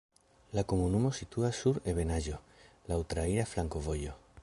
La komunumo situas sur ebenaĵo, laŭ traira flankovojo.